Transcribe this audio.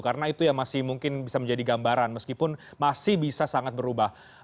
karena itu yang masih mungkin bisa menjadi gambaran meskipun masih bisa sangat berubah